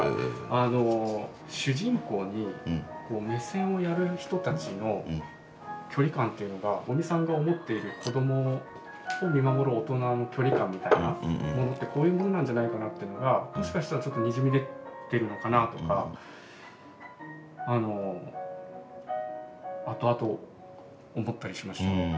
あの主人公に目線をやる人たちの距離感っていうのが五味さんが思っている子どもを見守る大人の距離感みたいなものってこういうものなんじゃないかなっていうのがもしかしたらちょっとにじみ出てるのかなとかあのあとあと思ったりしました。